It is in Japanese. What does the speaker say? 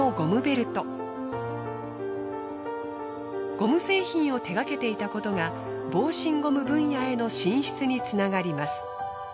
ゴム製品を手がけていたことが防振ゴム分野への進出につながります。